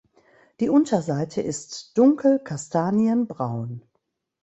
Die Unterseite ist dunkel kastanienbraun.